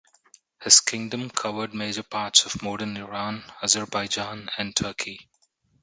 His Kingdom covered major parts of modern Iran, Azerbaijan, and Turkey.